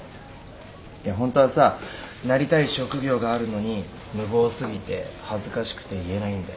ホントはさなりたい職業があるのに無謀すぎて恥ずかしくて言えないんだよ。